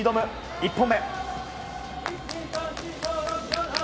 １本目。